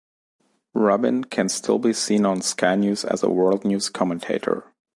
Rubin can still be seen on Sky News as a World News Commentator.